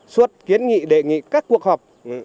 suốt kiến nghị đề nghị các cuộc họp